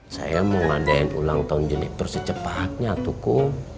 saya mengadain ulang tahun jenektur secepatnya tuku